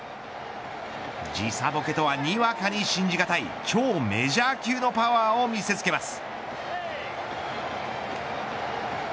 時差ぼけとはにわかに信じがたい超メジャー級のパワーを見せつけます。